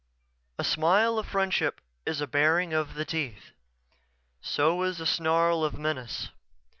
__A smile of friendship is a baring of the teeth. So is a snarl of menace.